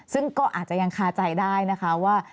ซึ่งก็อาจจะยังคาใจได้นะคะว่า